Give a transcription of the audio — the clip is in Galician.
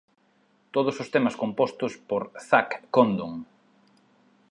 Todos os temas compostos por Zach Condon.